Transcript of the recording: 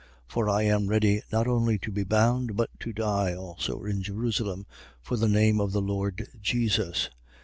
For I am ready not only to be bound, but to die also in Jerusalem, for the name of the Lord Jesus.